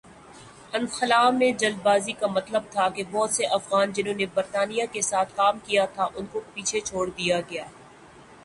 انخلا میں جلد بازی کا مطلب تھا کہ بہت سے افغان جنہوں نے برطانیہ کے ساتھ کام کیا تھا ان کو پیچھے چھوڑ دیا گیا۔